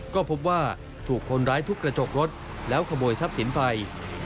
ก็พบว่าถูกคนร้ายทุบกระจกรถแล้วขโมยทรัพย์สินไป